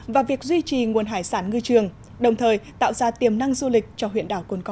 và việc duy trì nguồn hải sản ngư trường đồng thời tạo ra tiềm năng du lịch cho huyện đảo cồn cỏ